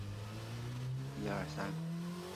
中国古代铸剑鼻祖。